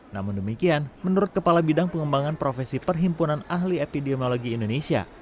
namun demikian menurut kepala bidang pengembangan profesi perhimpunan ahli epidemiologi indonesia